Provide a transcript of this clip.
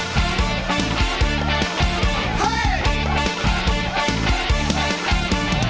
ขอให้โชคดี